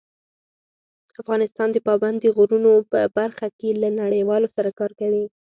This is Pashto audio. افغانستان د پابندي غرونو په برخه کې له نړیوالو سره کار کوي.